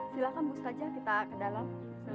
silakan bu ustazah kita ke dalam